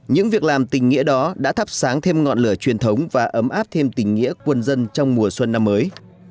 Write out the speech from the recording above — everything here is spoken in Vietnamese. những việc làm tình nghĩa đó đã thắp sáng thêm ngọn lửa truyền thống và ấm áp thêm tình nghĩa quân dân trong mùa xuân năm mới